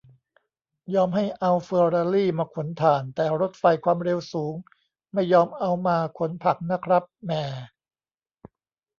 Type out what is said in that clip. "ยอมให้เอาเฟอร์รารี่มาขนถ่าน แต่รถไฟความเร็วสูงไม่ยอมเอามาขนผักนะครับ แหม่"